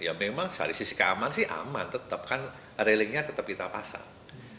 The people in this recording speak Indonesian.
ya memang dari sisi keamanan sih aman tetap kan railingnya tetap kita pasang